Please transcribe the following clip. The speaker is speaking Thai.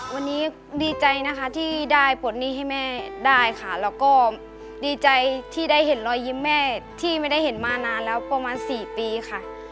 วันนี้ดีใจนะคะที่ได้ปลดหนี้ให้แม่ได้ค่ะแล้วก็ดีใจที่ได้เห็นรอยยิ้มแม่ที่ไม่ได้เห็นมานานแล้วประมาณ๔ปีค่ะ